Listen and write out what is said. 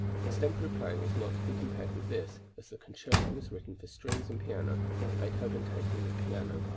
Extempore playing is not to be compared with this, as the concerto was written for strings and piano, Beethoven taking the piano part.